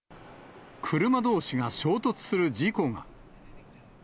車どうしが衝突する事故が。